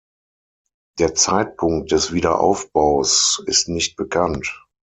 Der Zeitpunkt des Wiederaufbaus ist nicht bekannt.